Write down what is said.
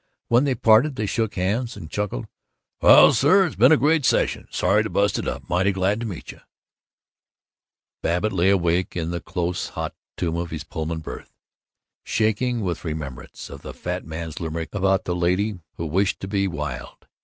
When they parted they shook hands, and chuckled, "Well, sir, it's been a great session. Sorry to bust it up. Mighty glad to met you." Babbitt lay awake in the close hot tomb of his Pullman berth, shaking with remembrance of the fat man's limerick about the lady who wished to be wild.